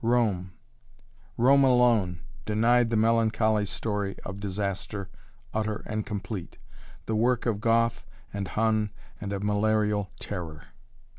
Rome Rome alone denied the melancholy story of disaster, utter and complete, the work of Goth and Hun and of malarial terror.